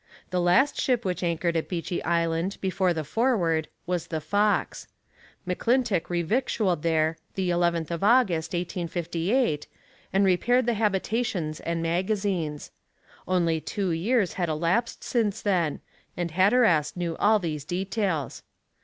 The last ship which anchored at Beechey Island before the Forward was the Fox; McClintock revictualled there the 11th of August, 1858, and repaired the habitations and magazines; only two years had elapsed since then, and Hatteras knew all these details.